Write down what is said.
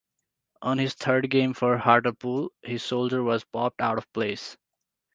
On his third game for Hartlepool, his shoulder was popped out of place.